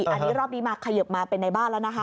อันนี้รอบนี้มาเขยิบมาเป็นในบ้านแล้วนะคะ